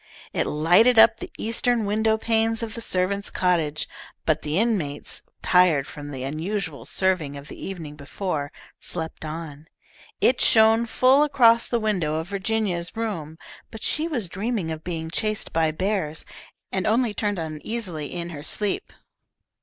It lighted up the eastern window panes of the servants' cottage, but the inmates, tired from the unusual serving of the evening before, slept on. It shone full across the window of Virginia's room, but she was dreaming of being chased by bears, and only turned uneasily in her sleep.